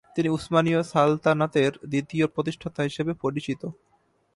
তিনি উসমানীয় সালতানাতের দ্বিতীয় প্রতিষ্ঠাতা হিসেবে পরিচিত।